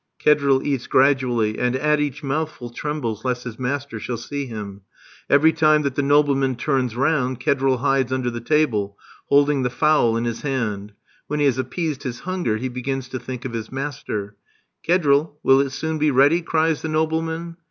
Kedril eats gradually, and at each mouthful trembles lest his master shall see him. Every time that the nobleman turns round Kedril hides under the table, holding the fowl in his hand. When he has appeased his hunger, he begins to think of his master. "Kedril, will it soon be ready?" cries the nobleman.